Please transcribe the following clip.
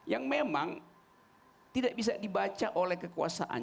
yang memang tidak bisa dibaca oleh kekuasaan